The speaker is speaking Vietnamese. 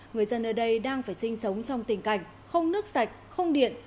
người dân ở đây đang phải sinh sống trong tình cảnh không nước sạch không điện